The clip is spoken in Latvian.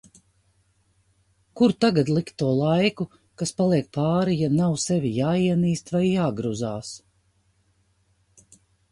Kur tagad likt to laiku, kas paliek pāri, ja nav sevi jāienīst vai jāgruzās.